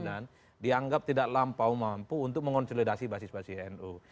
dan dianggap tidak terlampau mampu untuk mengonsolidasi basis basis tnu